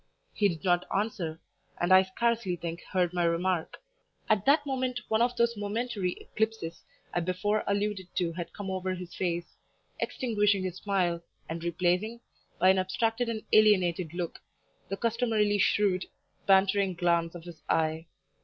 He did not answer, and I scarcely think heard my remark. At that moment one of those momentary eclipses I before alluded to had come over his face, extinguishing his smile, and replacing, by an abstracted and alienated look, the customarily shrewd, bantering glance of his eye.